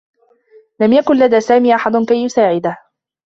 لم يكن لدى سامي أحد كي يساعده.